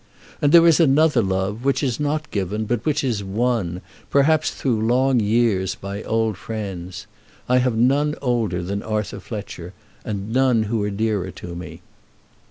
And there is another love, which is not given, but which is won, perhaps through long years, by old friends. I have none older than Arthur Fletcher, and none who are dearer to me."